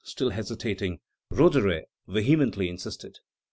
still hesitating, Roederer vehemently insisted.